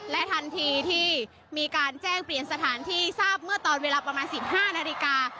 และทันทีที่มีการแจ้งเปลี่ยนสถานที่ทราบเมื่อตอนเวลาประมาณ๑๕นาฬิกา